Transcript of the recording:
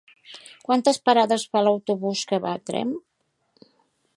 Quines parades fa l'autobús que va a Tremp?